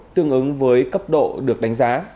tương ứng với cấp độ được đánh giá